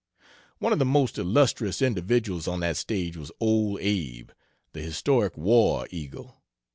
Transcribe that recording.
One of the most illustrious individuals on that stage was "Ole Abe," the historic war eagle.